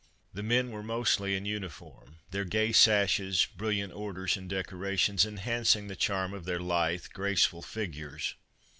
The men were mostly in uniform, their gay sashes, brilliant orders and decorations enhancing the charm of their lithe, graceful figures.